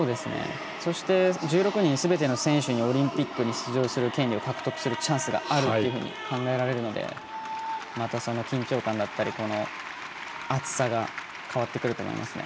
そして、１６人すべての選手にオリンピックに出場するチャンスがあるというふうに考えられるのでまた、その緊張感だったり熱さが変わってくるかと思いますね。